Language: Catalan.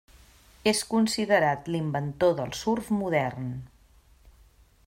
És considerat l'inventor del surf modern.